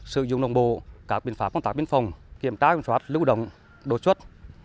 sử dụng nông bộ các biên pháp phong tác biên phòng kiểm tra kiểm soát lưu động đối xuất